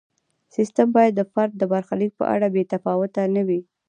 سیستم باید د فرد د برخلیک په اړه بې تفاوت نه وي.